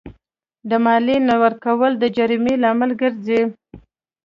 د مالیې نه ورکول د جریمو لامل ګرځي.